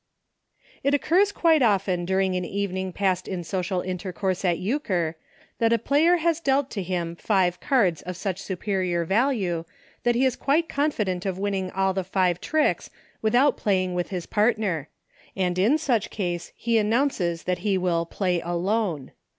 It occurs quite often during an evening passed in social intercourse at Euchre, that a player has dealt to him five cards of such su perior value that he is quite confident of win ning all the five tricks without playing with his partner, and in such case he announces that he will Play Alone.